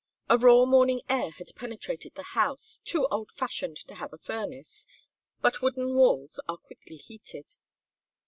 The raw morning air had penetrated the house, too old fashioned to have a furnace, but wooden walls are quickly heated.